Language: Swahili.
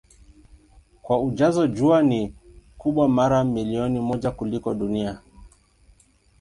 Kwa ujazo Jua ni kubwa mara milioni moja kuliko Dunia.